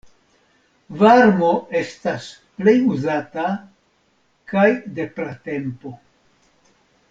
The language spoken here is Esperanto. Varmo estas plej uzata, kaj de pratempo.